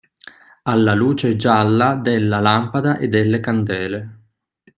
Alla luce gialla della lampada e delle candele